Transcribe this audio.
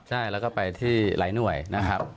ใช่แล้วก็ไปที่หลายหน่วยนะครับ